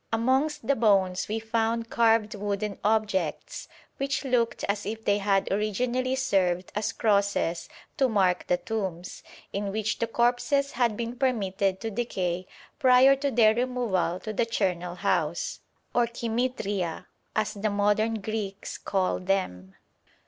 Amongst the bones we found carved wooden objects which looked as if they had originally served as crosses to mark the tombs, in which the corpses had been permitted to decay prior to their removal to the charnel house, or koimêthêria, as the modern Greeks call them.